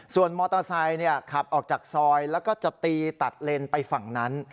ส่วนมอเตอร์ไซค์ขับออกจากซอยแล้วก็จะตีตัดเลนไปฝั่งนั้น